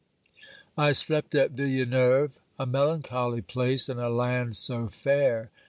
I slept at Villeneuve, a melancholy place in a land so fair.